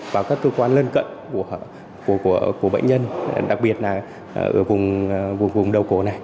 và các cơ quan lân cận của bệnh nhân đặc biệt là ở vùng vùng đầu cổ này